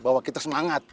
bahwa kita semangat